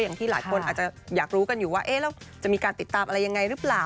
อย่างที่หลายคนอาจจะอยากรู้กันอยู่ว่าเอ๊ะแล้วจะมีการติดตามอะไรยังไงหรือเปล่า